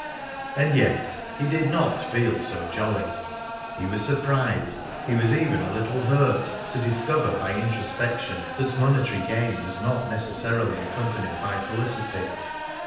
And yet he did not feel so jolly! He was surprised, he was even a little hurt, to discover by introspection that monetary gain was not necessarily accompanied by felicity.